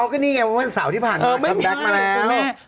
ก็นี่ไงว่ามันเป็นสาวที่ผ่านมากับแบ็คมาแล้ว